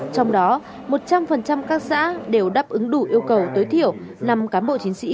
trong đó một trăm linh các xã đều đáp ứng đủ yêu cầu tối thiểu năm cán bộ chiến sĩ